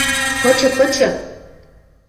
– Кычы, кычы!